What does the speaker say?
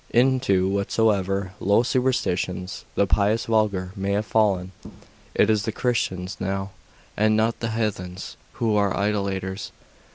Into whatsoever low superstitions the pious vulgar may have fallen, it is the Christians now, and not the heathens, who are idolaters.